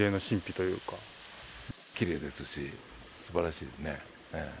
きれいですし、すばらしいですね。